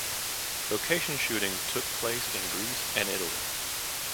Location shooting took place in Greece and Italy.